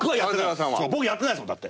僕やってないっすもんだって。